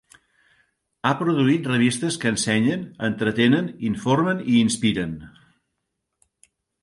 Ha produït revistes que ensenyen, entretenen, informen i inspiren.